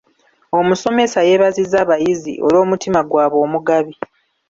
Omusomesa yeebazizza abayizi olw'omutima gwabwe omugabi.